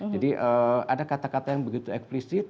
jadi ada kata kata yang begitu eksplisit